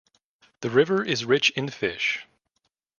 The river is rich in fish.